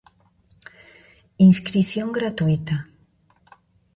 Inscrición gratuíta.